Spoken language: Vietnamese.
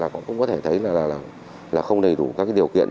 cũng có thể thấy là không đầy đủ các điều kiện